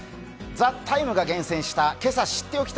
「ＴＨＥＴＩＭＥ，」が厳選した